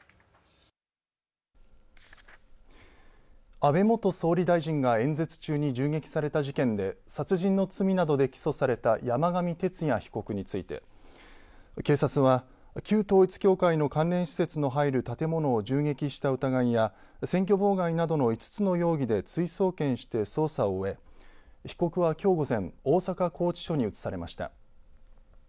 安倍元総理大臣が演説中に銃撃された事件で殺人の罪などで起訴された山上徹也被告について警察は旧統一教会の関連施設の入る建物を銃撃した疑いや選挙妨害などの５つの容疑で追送検して捜査を終え被告は、きょう午前大阪拘置所に移されました。